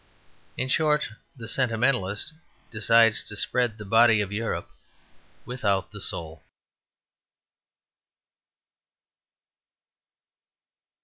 In short, the Sentimentalist decides to spread the body of Europe without the soul.